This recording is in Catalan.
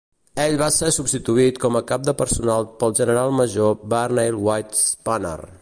Ell va ser substituït com a cap de personal pel general major Barney White-Spunner.